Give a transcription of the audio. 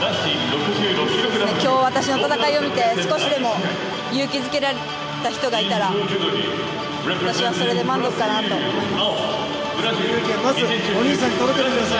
今日、私の戦いを見て少しでも勇気づけられた人がいたら私はそれで満足かなと思います。